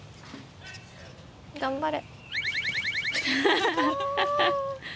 頑張れ。